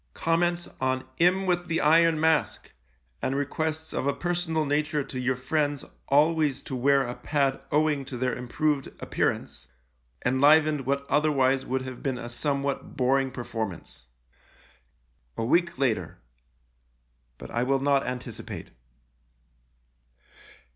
Comments on " Tm with the Iron THE LIEUTENANT 17 Mask," and requests of a personal nature to your friends always to wear a pad owing to their improved appearance, enlivened what otherwise would have been a somewhat boring performance. A week later — but I will not anticipate.